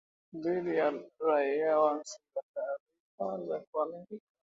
dhidi ya raia kwa msingi wa taarifa za kuaminika